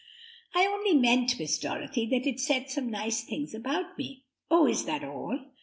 "I only meant, Miss Dorothy, that it said some nice things about me." "Oh, is that all?